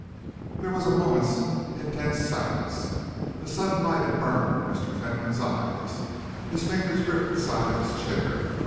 There was a moment's intense silence. A sudden light had burned in Mr. Fentolin's eyes. His fingers gripped the side of his chair.